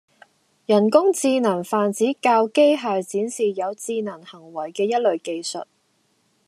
人工智能泛指教機械展示有智能行為嘅一類技術